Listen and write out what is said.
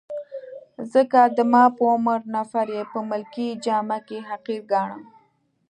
ځکه د ما په عمر نفر يې په ملکي جامه کي حقیر ګاڼه.